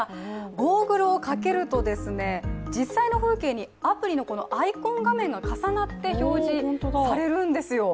ゴーグルをかけると、実際の風景にアプリのアイコン画面が重なって表示されるんですよ